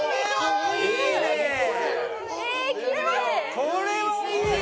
これはいいよ！